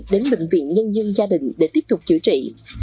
đến bệnh viện nhân dân gia đình để tiếp tục chữa trị